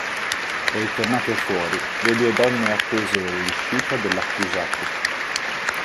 Ritornate fuori, le due donne attesero l'uscita dell'accusato.